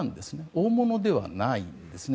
大物ではないんですね。